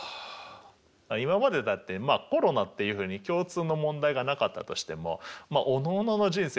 今までだってまあコロナっていうふうに共通の問題がなかったとしてもおのおのの人生